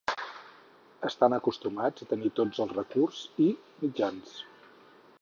Estan acostumats a tenir tots els recurs i mitjans.